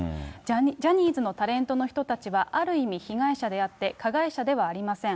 ジャニーズのタレントの人たちはある意味被害者であって、加害者ではありません。